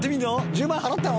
１０万円払ったの？